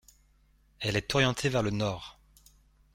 Elle est orientée vers le nord.